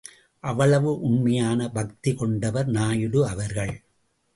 அவ்வளவு உண்மையான பக்தி கொண்டவர் நாயுடு அவர்கள்.